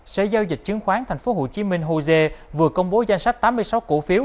xe giao dịch chứng khoán tp hcm hồ dê vừa công bố danh sách tám mươi sáu cổ phiếu